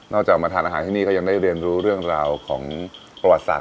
ออกมาทานอาหารที่นี่ก็ยังได้เรียนรู้เรื่องราวของประวัติศาสต